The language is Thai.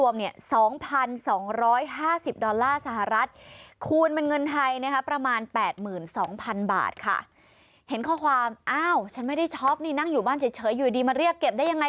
ไม่ได้ช็อปนี่นั่งอยู่บ้านเฉยอยู่ดีมาเรียกเก็บได้ยังไง